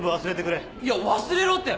いや忘れろって！